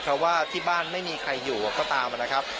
เพราะว่าที่บ้านไม่มีใครอยู่ก็ตามนะครับ